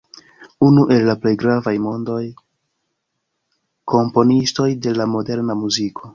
Unu el plej gravaj mondaj komponistoj de la moderna muziko.